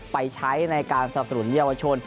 ไปใช้ในการสาบสนุนเยี่ยววัชชน